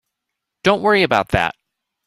Don't worry about that.